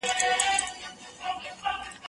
زه اوږده وخت لیکل کوم